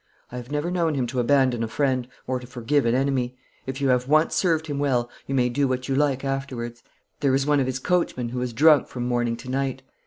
I have never known him to abandon a friend or to forgive an enemy. If you have once served him well you may do what you like afterwards. There is one of his coachmen who is drunk from morning to night.